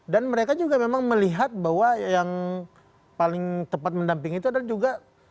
dan mereka juga memang melihat bahwa yang paling tepat mendampingi itu adalah juga